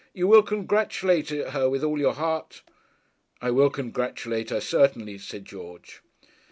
'You will congratulate her with all your heart?' 'I will congratulate her certainly,' said George.